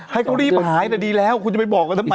ให้เขารีบหายแต่ดีแล้วคุณจะไปบอกกันทำไม